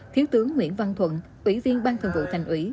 thiếu tướng nguyễn văn thuận ủy viên ban thường vụ thành ủy